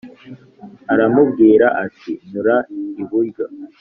Aramubwira ati nyura iburyo